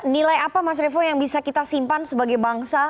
nilai apa mas revo yang bisa kita simpan sebagai bangsa